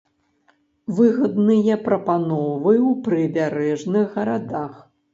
Выгадныя прапановы ў прыбярэжных гарадах.